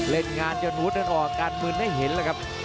เล่นงานจนวุฒิแล้วก็ออกอาการมืนให้เห็นเลยครับ